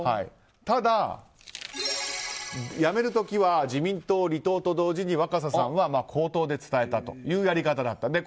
ただ、辞める時は自民党離党と同時に若狭さんは口頭で伝えたというやり方だった。